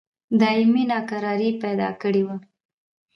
دایمي ناکراري پیدا کړې وه.